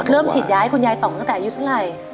ฉีดยาให้คุณยายต่องตั้งแต่อายุเท่าไหร่